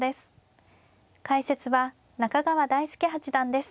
解説は中川大輔八段です。